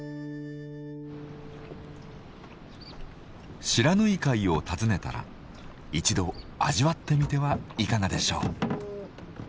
不知火海を訪ねたら一度味わってみてはいかがでしょう？